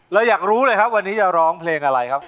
อยากรู้เลยครับวันนี้จะร้องเพลงอะไรครับ